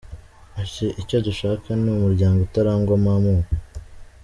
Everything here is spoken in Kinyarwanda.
Ati” Icyo dushaka ni umuryango utarangwamo amoko.